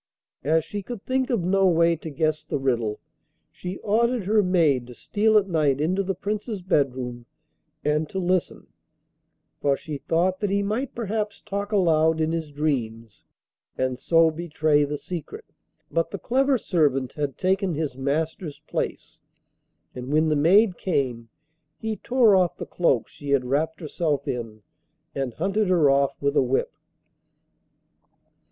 As she could think of no way to guess the riddle, she ordered her maid to steal at night into the Prince's bedroom and to listen, for she thought that he might perhaps talk aloud in his dreams and so betray the secret. But the clever servant had taken his master's place, and when the maid came he tore off the cloak she had wrapped herself in and hunted her off with a whip.